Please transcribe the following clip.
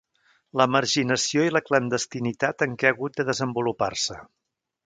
La marginació i la clandestinitat en què ha hagut de desenvolupar-se.